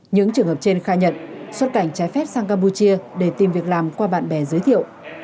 những trường hợp trên khai nhận xuất cảnh trái phép sang campuchia để tìm việc làm qua bạn bè giới thiệu